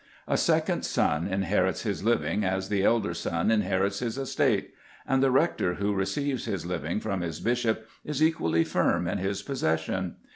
A second son inherits his living as the elder son inherits his estate; and the rector who receives his living from his bishop is equally firm in his possession.